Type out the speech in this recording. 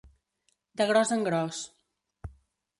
De gros en gros.